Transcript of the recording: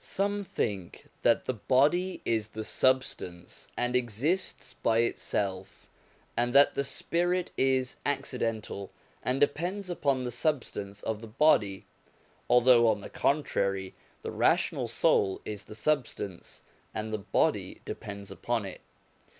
Some think that the body is the substance and exists by itself, and that the spirit is accidental, and depends upon the substance of the body ; although, on the contrary, the rational soul is the substance, and the body depends upon it.